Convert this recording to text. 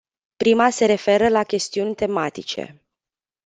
Prima se referă la chestiuni tematice.